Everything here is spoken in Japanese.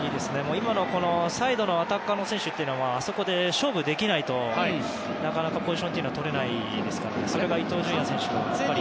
今のサイドのアタッカーの選手はあそこで勝負できないとなかなかポジションというのはとれないですからそれが伊東純也選手のいいところですね。